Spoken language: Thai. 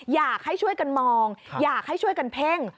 อยากให้ช่วยกันมองอยากให้ช่วยกันเพ่ง